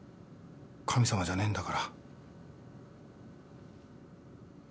神様じゃねえんだから。